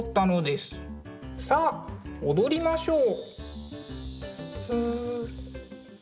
さあ踊りましょう。